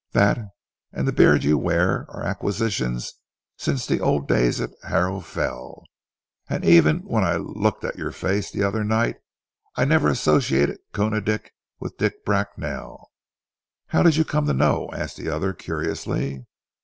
That and the beard you wear are acquisitions since the old days at Harrow Fell, and even when I looked at your face the other night I never associated Koona Dick with Dick Bracknell." "How did you come to know?" asked the other curiously.